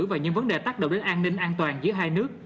và những vấn đề tác động đến an ninh an toàn giữa hai nước